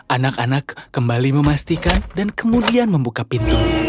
anak anak kembali memastikan dan kemudian membuka pintunya